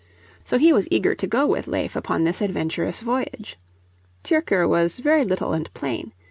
So he was eager to go with Leif upon this adventurous voyage. Tyrker was very little and plain.